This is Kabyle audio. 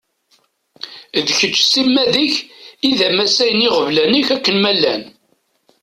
D kečč s timmad-ik i d amasay n yiɣeblan-ik akken ma llan.